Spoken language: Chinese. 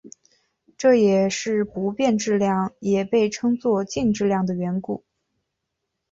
这也是不变质量也被称作静质量的缘故。